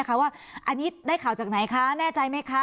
อันนี้ได้ข่าวจากไหนคะแน่ใจไหมคะ